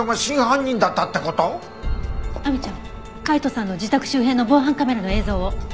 亜美ちゃん海斗さんの自宅周辺の防犯カメラの映像を。